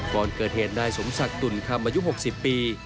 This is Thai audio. ก่อนเกิดเหตุนายสมศักดิ์ตุ่นคำอายุ๖๐ปี